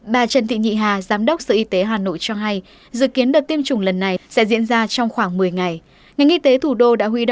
bà trần thị nhị hà giám đốc sở y tế hà nội cho hay dự kiến đợt tiêm chủng lần này sẽ diễn ra trong khoảng một mươi ngày